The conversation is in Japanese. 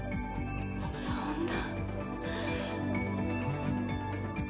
そんな。